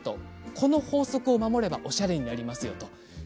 この法則を守ればおしゃれになりますよと。